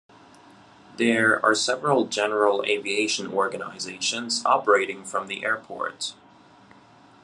There are several general aviation organisations operating from the airport.